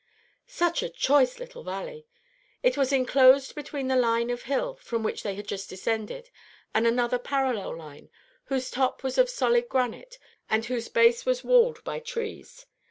Such a choice little valley! It was enclosed between the line of hill from which they had just descended and another parallel line, whose top was of solid granite and whose base was walled by trees.